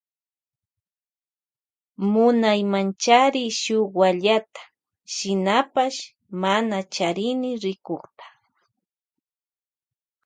Munaymanchari shuk wallata shinapash mana charini rikukta.